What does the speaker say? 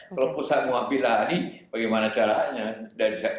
kalau pusat mengambil alih bagaimana caranya